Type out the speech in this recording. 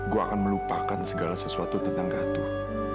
gue akan melupakan segala sesuatu tentang gatur